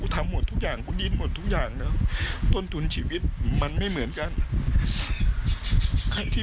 ครบจนนทุนหน่อยเลยซู่มาว่าชีวิตคืออะไร